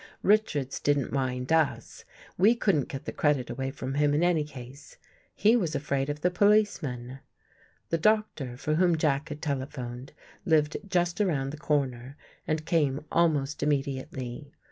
Richards didn't mind us. We couldn't get the credit away from him in any case. He was afraid of the police man. The doctor for whom Jack had telephoned lived just around the corner and came almost immediately.